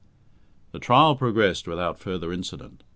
The trial progressed without further incident.